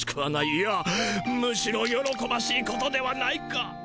いやむしろよろこばしいことではないか。